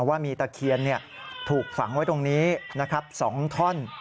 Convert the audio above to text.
ว่ามีตะเคียนถูกฝังไว้ตรงนี้นะครับ๒ท่อน